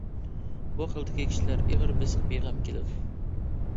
بۇ خىلدىكى كىشىلەر ئېغىر-بېسىق، بىغەم كېلىدۇ.